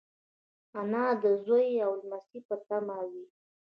انا د زوی او لمسيو په تمه وي